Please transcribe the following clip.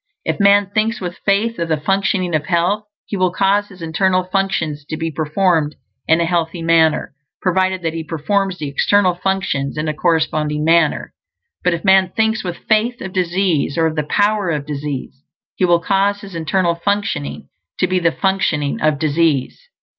If man thinks with faith of the functioning of health, he will cause his internal functions to be performed in a healthy manner, provided that he performs the external functions in a corresponding manner. But if man thinks, with faith, of disease, or of the power of disease, he will cause his internal functioning to be the functioning of disease.